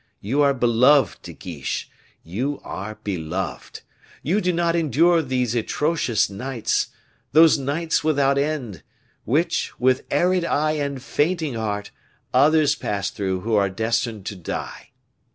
You are beloved, De Guiche, you are beloved! You do not endure those atrocious nights, those nights without end, which, with arid eye and fainting heart, others pass through who are destined to die.